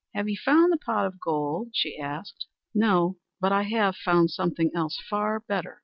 "Have ye found the pot of gold?" she asked. "No; but I have found something else far better!"